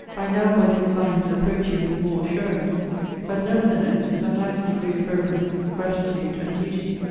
I now, by these lines, approach you with more assurance; but nevertheless with the highest degree of reverence, gratitude, and duty.